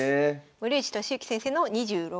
森内俊之先生の２６連勝。